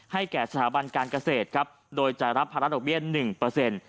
ให้แก่สถาบันการเกษตรครับโดยจะรับภาระดอกเบี้ยน๑